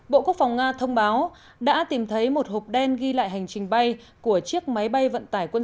bộ quốc phòng nga thông báo đã tìm thấy một hộp đen ghi lại hành trình bay của chiếc máy bay vận tải quân